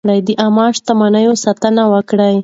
د عامه شتمنیو ساتنه وکړئ.